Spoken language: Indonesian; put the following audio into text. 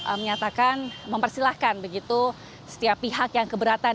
namun kpu menyatakan mempersilahkan begitu setiap pihak yang keberatan